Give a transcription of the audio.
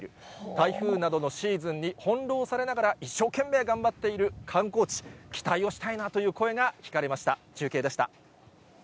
台風などのシーズンに翻弄されながら、一生懸命頑張っている観光地、期待をしたいなという声が聞かれました。